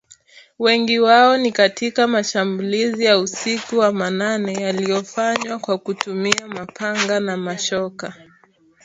Wengi wao ni katika mashambulizi ya usiku wa manane yaliyofanywa kwa kutumia mapanga na mashoka